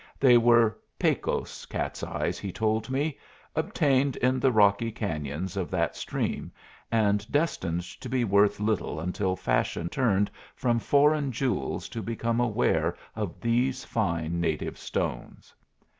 They were Pecos cat's eyes, he told me, obtained in the rocky canyons of that stream, and destined to be worth little until fashion turned from foreign jewels to become aware of these fine native stones.